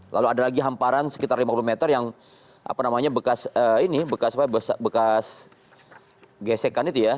lalu ada lagi hamparan sekitar lima puluh meter yang bekas gesekan itu ya